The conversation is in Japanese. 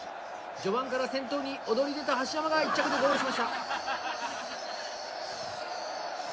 序盤から先頭に躍り出たはしやまが１着でゴールしました。